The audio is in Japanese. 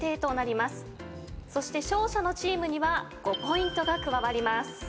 そして勝者のチームには５ポイントが加わります。